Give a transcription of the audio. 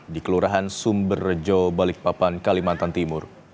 di kelurahan sumber rejo balikpapan kalimantan timur